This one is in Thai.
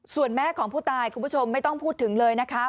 ส่วนแม่ของผู้ตายคุณผู้ชมไม่ต้องพูดถึงเลยนะคะ